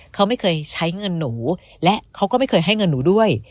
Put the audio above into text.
เขาไม่เคยใช้เงินหนูและเขาก็ไม่เคยให้เงินหนูด้วย